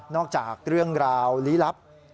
จากเรื่องราวลี้ลับ